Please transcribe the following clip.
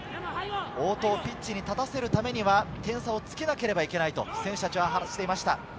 大戸をピッチに立たせるためには、点差をつけなければいけないと選手たちは話していました。